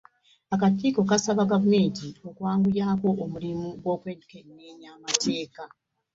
Akakiiko kasaba Gavumenti okwanguyaako omulimu gw’okwekenneenya amateeka.